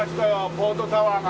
ポートタワーが。